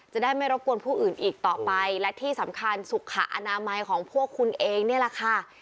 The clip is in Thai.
จะได้ไม่รบกวนผู้อื่นอีกต่อไปและที่สำคัญสุขอนามัยของพวกคุณเองนี่แหละค่ะ